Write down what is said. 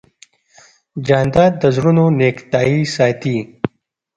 جانداد د زړونو نېکتایي ساتي.